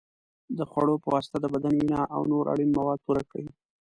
د خوړو په واسطه د بدن وینه او نور اړین مواد پوره کړئ.